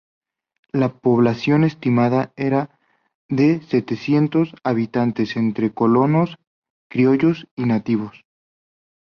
La población estimada era de setecientos habitantes entre colonos criollos y nativos.